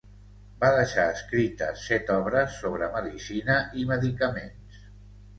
Va deixar escrites set obres sobre medicina i medicaments.